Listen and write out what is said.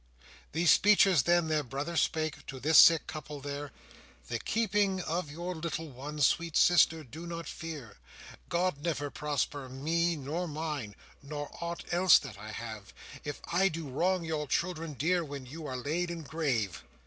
These speeches then their brother spake To this sick couple there: "The keeping of your little ones, Sweet sister, do not fear; God never prosper me nor mine, Nor aught else that I have, If I do wrong your children dear When you are laid in grave!"